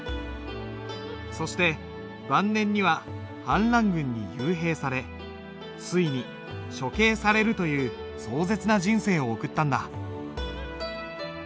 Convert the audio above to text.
そして晩年には反乱軍に幽閉されついに処刑されるという壮絶な人生を送ったんだ。